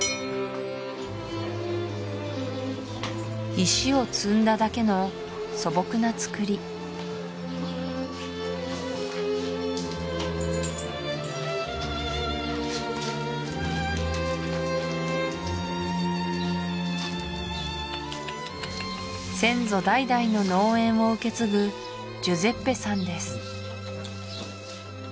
石を積んだだけの素朴なつくり先祖代々の農園を受け継ぐジュゼッペさんです